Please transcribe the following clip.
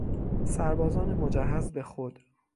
سربازان مجهز به خود